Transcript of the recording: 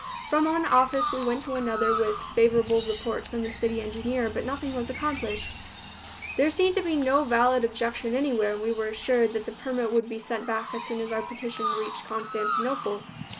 From one office we went to another, with favorable reports from the city engineer, but nothing was accomplished. There seemed to be no valid objection anywhere, and we were assured that the permit would be sent back as soon as our petition reached Constantinople.